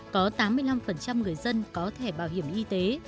có tám mươi năm người dân có thẻ bảo hiểm y tế